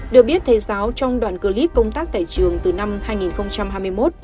được biết thầy giáo trong đoạn clip công tác tại trường từ năm hai nghìn hai mươi một